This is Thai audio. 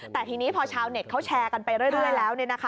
แต่ทีนี้พอชาวเน็ตเขาแชร์กันไปเรื่อยแล้ว